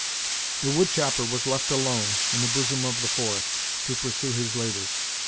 The wood chop per was left alone, in the bosom of the forest, to pursue his labors.